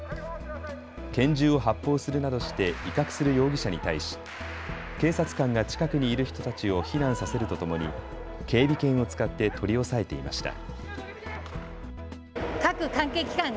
拳銃を発砲するなどして威嚇する容疑者に対し警察官が近くにいる人たちを避難させるとともに警備犬を使って取り押さえていました。